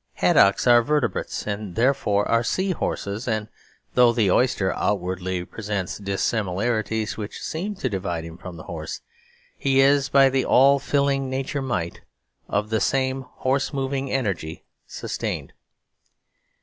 Haddocks are vertebrates; and therefore are sea horses. And though the oyster outwardly presents dissimilarities which seem to divide him from the horse, he is by the all filling nature might of the same horse moving energy sustained.